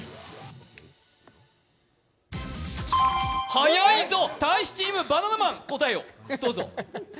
早いぞ、大使チーム、バナナマン答えをどうぞ。